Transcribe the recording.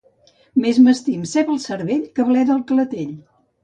Més m'estim ceba al cervell que bleda al clatell.